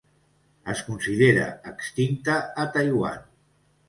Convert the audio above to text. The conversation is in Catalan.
Es considera extinta a Taiwan.